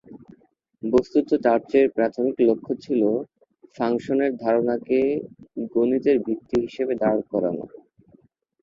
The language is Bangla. বস্তুত, চার্চের প্রাথমিক লক্ষ্য ছিল ফাংশনের ধারণাকে গণিতের ভিত্তি হিসেবে দাঁড় করানো।